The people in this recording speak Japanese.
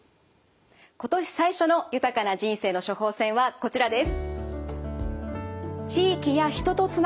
今年最初の「豊かな人生の処方せん」はこちらです。